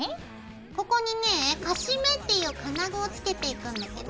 ここにねカシメっていう金具をつけていくんだけど。